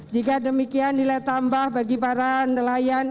jika demikian nilai tambah bagi para nelayan